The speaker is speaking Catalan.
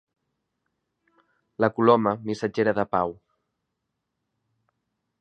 La coloma, missatgera de pau.